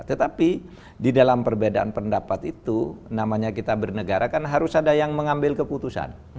tetapi di dalam perbedaan pendapat itu namanya kita bernegara kan harus ada yang mengambil keputusan